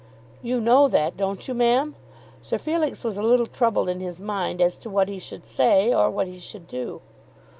"You know that, don't you, ma'am?" Sir Felix was a little troubled in his mind as to what he should say, or what he should do.